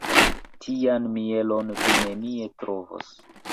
Tian mielon vi nenie trovos.